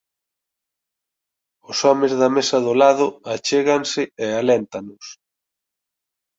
Os homes da mesa do lado achéganse e aléntanos.